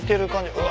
うわ。